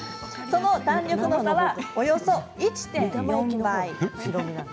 その弾力の差はおよそ１．４倍。